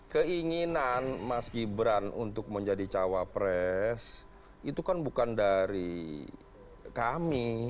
keinginan mas gibran untuk menjadi cawapres itu kan bukan dari kami